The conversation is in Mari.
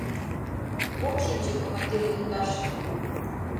— Ом шинче, командир йолташ...